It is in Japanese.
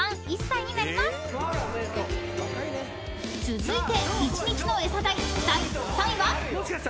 ［続いて１日のエサ代第３位は？］